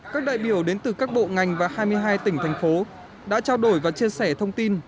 các đại biểu đến từ các bộ ngành và hai mươi hai tỉnh thành phố đã trao đổi và chia sẻ thông tin